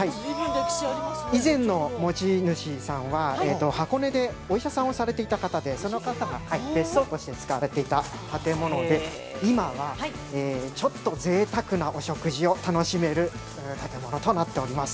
以前の持ち主さんは、箱根でお医者さんをされていた方でその方が、別荘として使われていた建物で、今は、ちょっとぜいたくなお食事を楽しめる建物となっております。